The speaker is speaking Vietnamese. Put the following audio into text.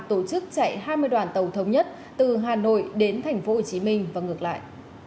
tổ chức chạy hai mươi đoàn tàu thống nhất từ hà nội đến tp hcm và ngược lại